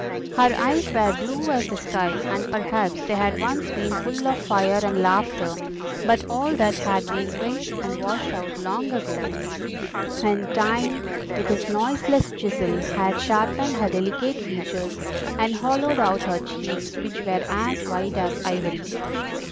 Her eyes were blue as the sky, and perhaps they had once been full of fire and laughter, but all that had been quenched and washed out long ago, and Time, with his noiseless chisel, had sharpened her delicate features and hollowed out her cheeks, which were as white as ivory.